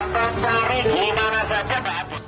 tentang tarik gimana saja pak